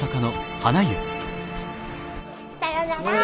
さよなら。